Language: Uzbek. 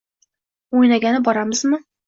O'ynagani boramizmi?